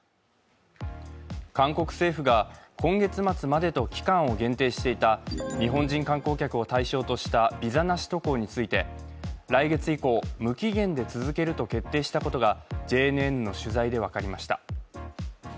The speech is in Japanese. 韓国政府が今月末までと期間を限定していた日本人観光客を対象としたビザなし渡航について来月以降、無期限で続けると決定したことがＪＮＮの取材で分かりました。